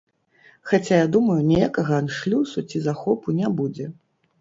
Хаця я думаю, ніякага аншлюсу ці захопу не будзе.